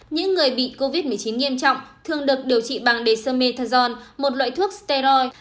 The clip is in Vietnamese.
những người bị covid một mươi chín nghiêm trọng thường được điều trị bằng dexamethasone một loại thuốc steroid